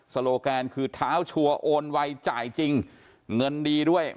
โลแกนคือเท้าชัวร์โอนไวจ่ายจริงเงินดีด้วย